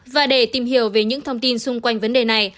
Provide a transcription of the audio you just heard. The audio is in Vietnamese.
và để tìm hiểu về những thông tin xung quanh vấn đề này